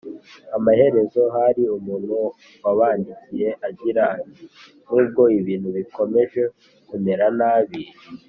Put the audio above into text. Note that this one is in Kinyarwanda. Amaherezo hari umuntu wabandikiye agira ati nubwo ibintu bikomeje kumera nabi